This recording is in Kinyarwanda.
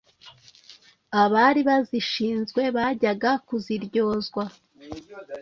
abari bazishinzwe bajyaga kuziryozwa